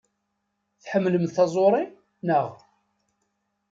Tḥemmlemt taẓuri, naɣ?